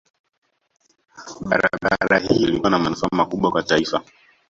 barabara hiyo ilikuwa na manufaa makubwa kwa taifa